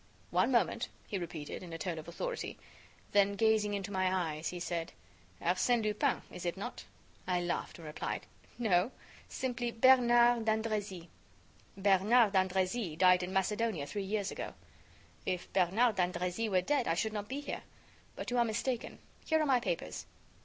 "One moment," he repeated, in a tone of authority. Then, gazing into my eyes, he said: "Arsène Lupin, is it not?" I laughed, and replied: "No, simply Bernard d'Andrézy." "Bernard d'Andrézy died in Macedonia three years ago." "If Bernard d'Andrézy were dead, I should not be here. But you are mistaken. Here are my papers."